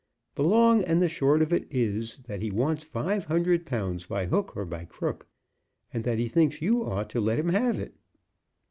The long and the short of it is, that he wants five hundred pounds by hook or by crook, and that he thinks you ought to let him have it."